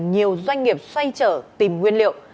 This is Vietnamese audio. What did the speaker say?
nhiều doanh nghiệp xoay trở tìm nguyên liệu